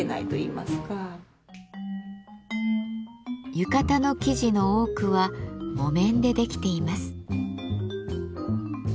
浴衣の生地の多くは木綿でできています。